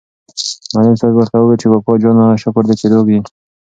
معلم صاحب ورته وویل چې کاکا جانه شکر دی چې روغ یې.